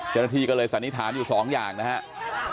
จริงก็เลยสันนิษฐานอยู่๒อย่างนะครับ